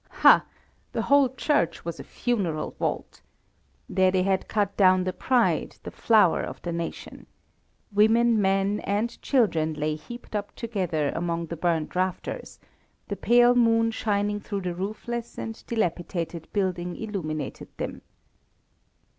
Hah, the whole church was a funeral vault. There they had cut down the pride, the flower of the nation. Women, men, and children lay heaped up together among the burnt rafters, the pale moon shining through the roofless and dilapidated building illuminated them.